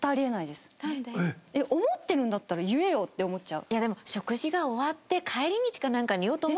思ってるんだったら言えよ！って思っちゃう。